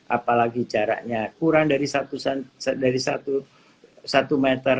apalagi jaraknya kurang dari satu meter